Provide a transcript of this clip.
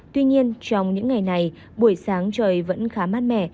tuy nhiên trong những ngày này buổi sáng trời vẫn khá mát mẻ